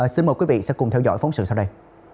xin mời quý vị sẽ cùng theo dõi phóng sự sau đây